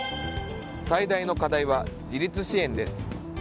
最大の課題は自立支援です。